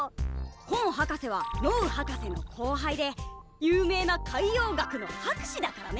コン博士はノウ博士の後輩で有名な海洋学の博士だからね。